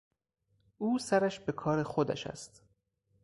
او سرش به کار خودش است.